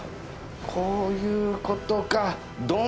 こういうことか。